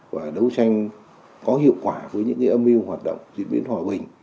và đấu tranh có hiệu quả với những âm mưu hoạt động diễn biến hòa bình